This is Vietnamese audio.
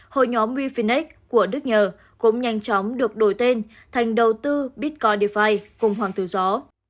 hội nhóm wefenix của đức nhờ cũng nhanh chóng được đổi tên thành đầu tư bitcoin defi cùng hoàng tử gió